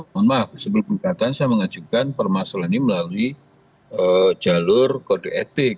mohon maaf sebelum gugatan saya mengajukan permasalahan ini melalui jalur kode etik